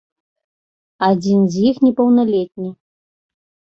Адзін з іх непаўналетні.